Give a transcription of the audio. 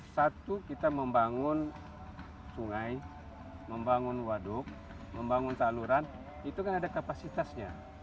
satu kita membangun sungai membangun waduk membangun saluran itu kan ada kapasitasnya